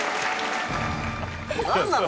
何なの？